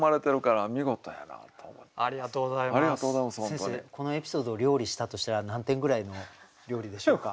先生このエピソードを料理したとしたら何点ぐらいの料理でしょうか。